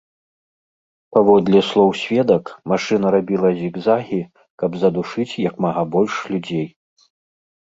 Паводле слоў сведак, машына рабіла зігзагі, каб задушыць як мага больш людзей.